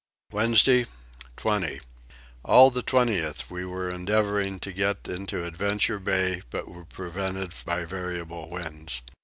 Wednesday 20. All the 20th we were endeavouring to get into Adventure Bay but were prevented by variable winds.